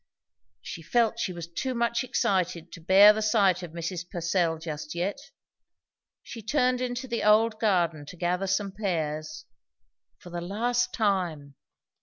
She felt she was too much excited to bear the sight of Mrs. Purcell just yet; she turned into the old garden to gather some pears. For the last time!